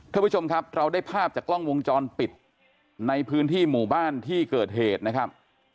ท่านผู้ชมครับเราได้ภาพจากกล้องวงจรปิดในพื้นที่หมู่บ้านที่เกิดเหตุนะครับ